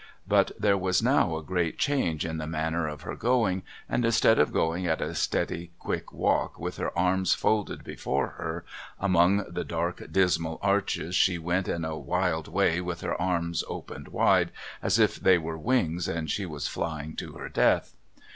But there was now a great change in the manner of her going, and instead of going at a steady quick walk with her arms folded before her, — among the dark dismal arches she went in a wild way with her arms oi)ened wide, as if they were wings and she was flying to her death.